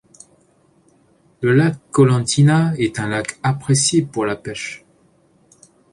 Le lac Colentina est un lac apprécié pour la pêche.